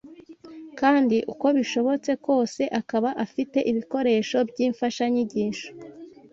kandi uko bishobotse kose akaba afite ibikoresho by’imfashanyigisho